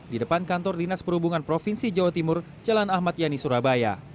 di depan kantor dinas perhubungan provinsi jawa timur jalan ahmad yani surabaya